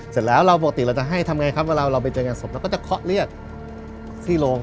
เสร็จแล้วเราปกติเราจะให้ทำไงครับเวลาเราไปเจองานศพเราก็จะเคาะเรียกที่โรง